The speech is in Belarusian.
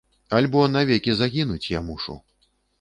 Альбо навекі загінуць я мушу!